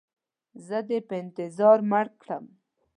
زه دې په انتظار مړ کړم.